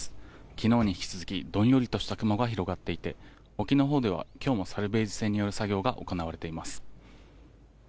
昨日に引き続きどんよりとした雲が広がっていて沖のほうでは今日もサルベージ船による作業が行われています。